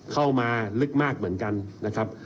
เข้ามาลึกมากเหมือนกันนะครับ